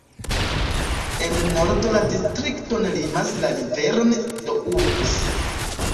En nordo la distrikton limas la rivero Doubs.